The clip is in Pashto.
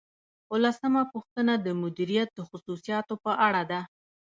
اوولسمه پوښتنه د مدیریت د خصوصیاتو په اړه ده.